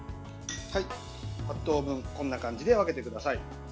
こんな感じで分けてください。